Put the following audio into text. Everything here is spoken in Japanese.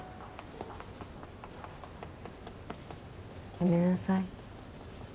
やめなさい。